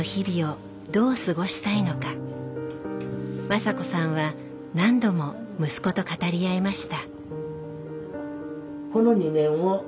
雅子さんは何度も息子と語り合いました。